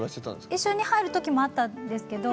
一緒に入るときもあったんですけど